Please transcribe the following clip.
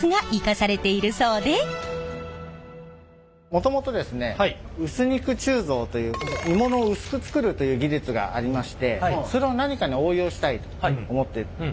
もともと薄肉鋳造という鋳物を薄く作るという技術がありましてそれを何かに応用したいと思ってえ。